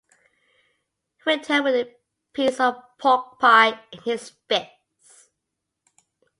He returned with a piece of pork-pie in his fist.